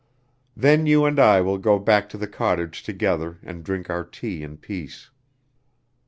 Then you and I will go back to the cottage together and drink our tea in peace."